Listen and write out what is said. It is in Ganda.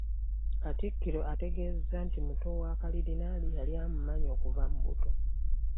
Katikkiro ategeezezza nti muto wa Kalidinaali yali amumanyi okuva mu buto